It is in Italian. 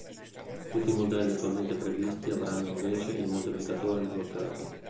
Tutti i modelli attualmente previsti avranno invece il moltiplicatore bloccato.